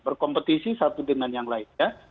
berkompetisi satu dengan yang lainnya